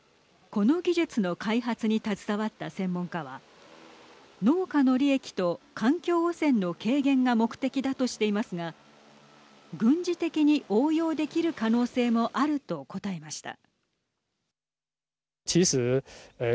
この技術の開発に携わった専門家は農家の利益と環境汚染の軽減が目的だとしていますが軍事的に応用できる可能性もあると答えました。